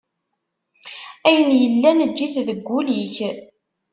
Ayen yellan eǧǧ-it deg ul-ik.